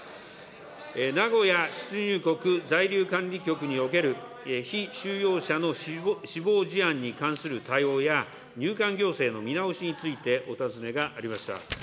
名古屋出入国在留管理局における被収容者の死亡事案に関する対応や、入管行政の見直しについてお尋ねがありました。